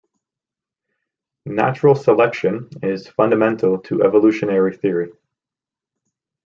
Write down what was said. Natural selection is fundamental to evolutionary theory.